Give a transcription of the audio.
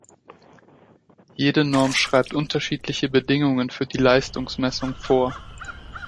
Jede Norm schreibt unterschiedliche Bedingungen für die Leistungsmessung vor.